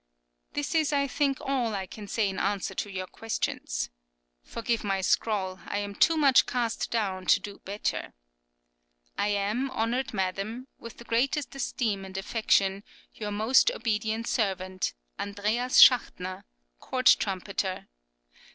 This is, I think, all I can say in answer to your questions. Forgive my scrawl, I am too much cast down to do better. I am, honoured Madam, With the greatest esteem and affection, Your most obedient Servant, Andreas Schachtner, Court Trumpeter.